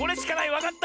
わかった！